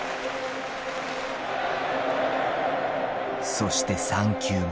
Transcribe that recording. そして３球目。